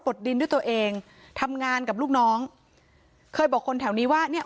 ดินด้วยตัวเองทำงานกับลูกน้องเคยบอกคนแถวนี้ว่าเนี่ย